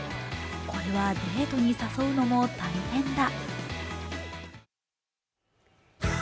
これはデートに誘うのも大変だ。